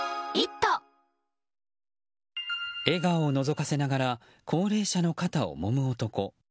笑顔をのぞかせながら高齢者の肩をもむ男。